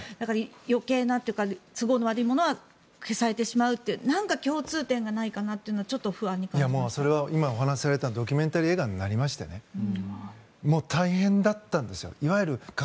余計なというか都合の悪い者は消されてしまうという何か共通点がないかなとそれは今お話しされていたドキュメンタリー映画になりまして大変だったんですよ。